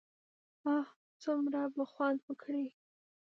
اه څومره به خوند وکړي.